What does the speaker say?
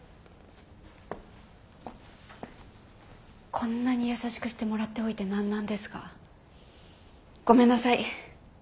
こんなに優しくしてもらっておいて何なんですがごめんなさい！